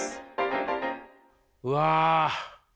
うわ。